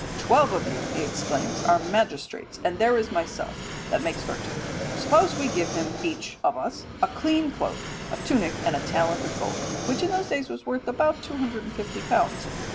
"Twelve of you," he exclaims, "are magistrates, and there is myself that makes thirteen; suppose we give him each one of us a clean cloak, a tunic, and a talent of gold," which in those days was worth about two hundred and fifty pounds.